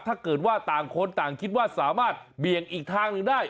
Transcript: ถ้าเกิดว่าต่างคนต่างคิดว่าสามารถเบี่ยงอีกทางหนึ่งได้